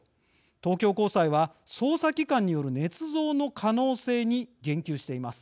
東京高裁は、捜査機関によるねつ造の可能性に言及しています。